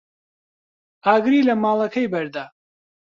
ئاگری لە ماڵەکەی بەردا.